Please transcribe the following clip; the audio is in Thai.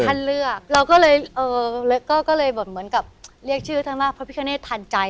ท่านเลือกเราก็เลยเอ่อก็เลยก็เลยแบบเหมือนกับเรียกชื่อท่านว่าพระพิคเนธทันใจ